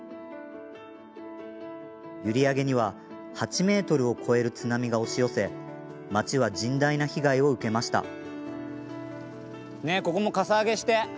閖上には８ｍを超える津波が押し寄せ町は甚大な被害を受けました。